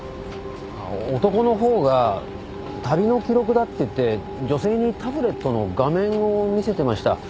男の方が「旅の記録だ」って言って女性にタブレットの画面を見せてました。